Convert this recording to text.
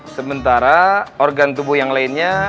sementara organ tubuh yang lainnya